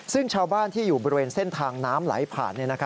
ซึ่งชาวบ้านที่อยู่บริเวณเส้นทางน้ำไหลผ่าน